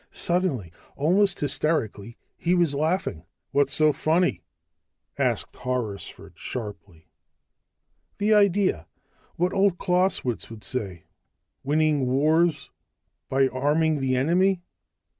Suddenly, almost hysterically, he was laughing. "What's so funny?" asked Horrisford sharply. "The idea what old Clausewitz would say winning wars by arming the enemy!